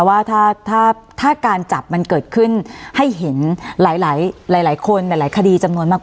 ว่าถ้าการจับมันเกิดขึ้นให้เห็นหลายคนหลายคดีจำนวนมาก